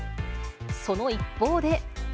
その一方で。